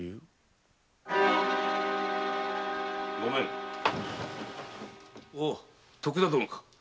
・ごめんオゥ徳田殿か。